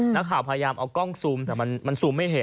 นักข่าวพยายามเอากล้องซูมแต่มันซูมไม่เห็น